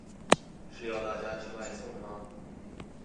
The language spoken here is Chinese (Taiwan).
是要大家去外送嗎